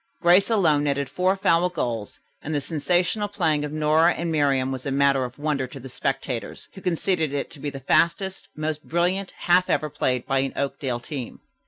Grace alone netted four foul goals, and the sensational playing of Nora and Miriam was a matter of wonder to the spectators, who conceded it to be the fastest, most brilliant half ever played by an Oakdale team.